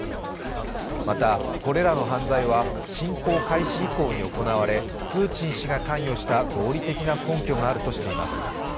また、これらの犯罪は侵攻開始以降に行われプーチン氏が関与した合理的な根拠があるとしています。